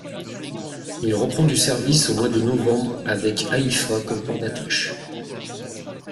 Il reprend du service au mois de novembre avec Haïfa comme port d'attache.